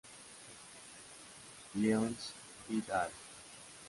Lyons et al.